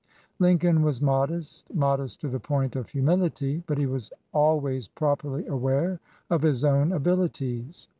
Lincoln was modest,— modest to the point of humility,— but he was always properly aware of his own abilities.